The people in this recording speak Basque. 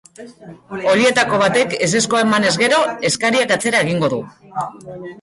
Horietako batek ezezkoa emanez gero eskariak atzera egingo du.